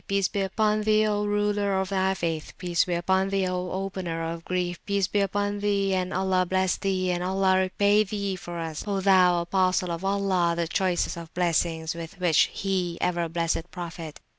Peace be upon Thee, O Ruler of Thy Faith! Peace be upon Thee, O Opener of Grief! Peace be upon Thee! and Allah bless Thee! and Allah repay Thee for us, O Thou Apostle of Allah! the choicest of Blessings with which He ever blessed Prophet!